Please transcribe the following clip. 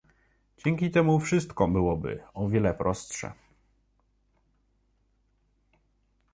Dzięki temu wszystko byłoby o wiele prostsze